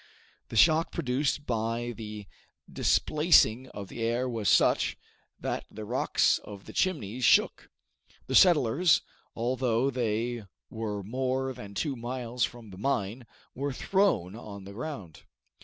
The shock produced by the displacing of the air was such, that the rocks of the Chimneys shook. The settlers, although they were more than two miles from the mine, were thrown on the ground.